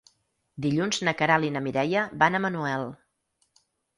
Dilluns na Queralt i na Mireia van a Manuel.